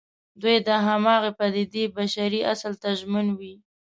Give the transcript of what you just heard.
دوی د همغې پدېدې بشري اصل ته ژمن وي.